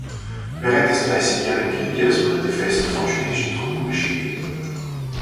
Während des Dreißigjährigen Krieges wurde die Feste von schwedischen Truppen beschädigt.